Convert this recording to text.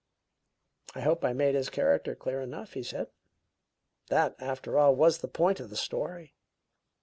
"I hope I made his character clear enough," he said. "That, after all, was the point of the story."